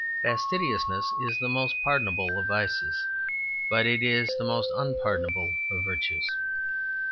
Fastidiousness is the most pardonable of vices; but it is the most unpardonable of virtues.